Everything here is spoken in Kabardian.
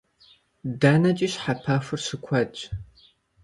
ДэнэкӀи щхьэпэхур щыкуэдщ.